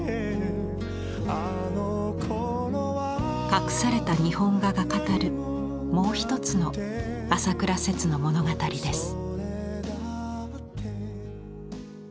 隠された日本画が語るもう一つの朝倉摂の物語です。